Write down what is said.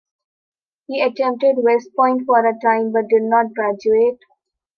He attended West Point for a time, but did not graduate.